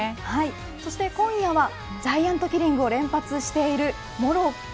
そして今夜はジャイアントキリングを連発しているモロッコ。